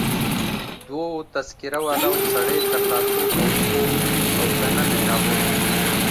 دوو تذکره والاو سړی تر لاسو او پښو ونیو او دننه يې راوړ.